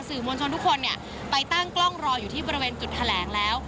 มวลชนทุกคนเนี่ยไปตั้งกล้องรออยู่ที่บริเวณจุดแถลงแล้ว